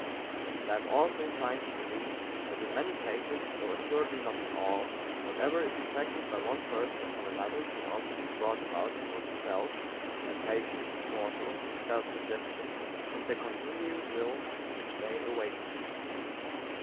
And I am also inclined to believe that in many cases, though assuredly not in all, whatever is effected by one person upon another can also be brought about in one's self by patience in forethought, self suggestion, and the continued will which they awaken.